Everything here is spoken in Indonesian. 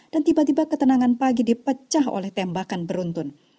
dan tiba tiba ketenangan pagi dipecah oleh tembakan beruntun